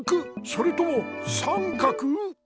それともさんかく？